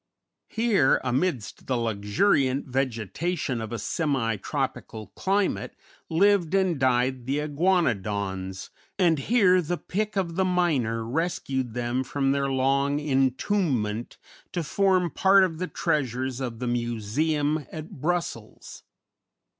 Here, amidst the luxuriant vegetation of a semi tropical climate, lived and died the Iguanodons, and here the pick of the miner rescued them from their long entombment to form part of the treasures of the museum at Brussels.